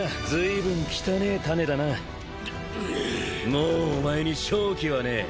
もうお前に勝機はねえ。